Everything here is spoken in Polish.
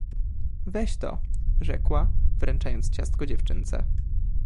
— Weź to — rzekła, wręczając ciastko dziewczynce.